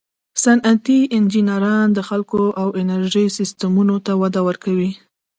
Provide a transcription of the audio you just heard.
صنعتي انجینران د خلکو او انرژي سیسټمونو ته وده ورکوي.